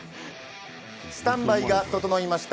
スタンバイが整いました。